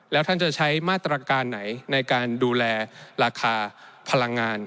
แล้วท่านจะใช้มาตรการไหนในการดูแลราคาพลังงาน